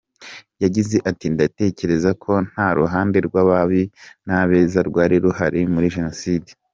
Yagize ati “Ndatekereza ko nta ruhande rw’ababi n’abeza rwari ruhari muri Jenoside.